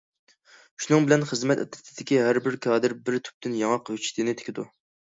شۇنىڭ بىلەن خىزمەت ئەترىتىدىكى ھەربىر كادىر بىر تۈپتىن ياڭاق كۆچىتىنى تىكىدۇ.